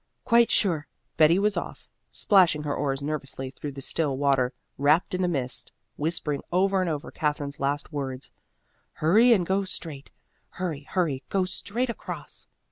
"Quite sure." Betty was off, splashing her oars nervously through the still water, wrapped in the mist, whispering over and over Katherine's last words, "Hurry and go straight. Hurry, hurry, go straight across."